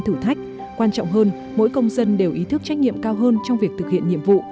thử thách quan trọng hơn mỗi công dân đều ý thức trách nhiệm cao hơn trong việc thực hiện nhiệm vụ